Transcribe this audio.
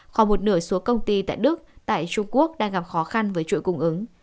khoảng một nửa số công ty tại đức tại trung quốc đang gặp khó khăn với chuỗi cung ứng